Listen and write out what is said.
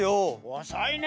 おそいね。